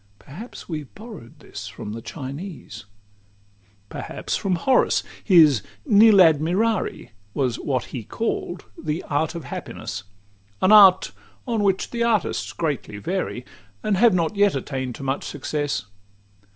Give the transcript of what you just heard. Perhaps we have borrow'd this from the Chinese XXXV Perhaps from Horace: his "Nil admirari" Was what he call'd the "Art of Happiness;" An art on which the artists greatly vary, And have not yet attain'd to much success.